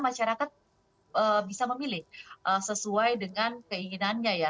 masyarakat bisa memilih sesuai dengan keinginannya ya